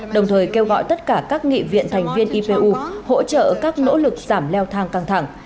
đồng thời kêu gọi tất cả các nghị viện thành viên ipu hỗ trợ các nỗ lực giảm leo thang căng thẳng